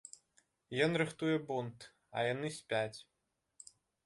Ён рыхтуе бунт, а яны спяць.